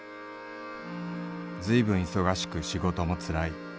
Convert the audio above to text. ずいぶん忙しく仕事もつらい。